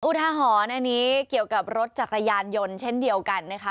อุทาหรณ์อันนี้เกี่ยวกับรถจักรยานยนต์เช่นเดียวกันนะคะ